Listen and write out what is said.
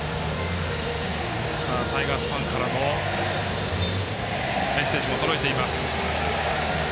タイガースファンからのメッセージも届いています。